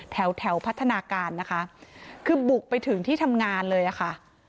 แถวแถวพัฒนาการนะคะคือบุกไปถึงที่ทำงานเลยอะค่ะ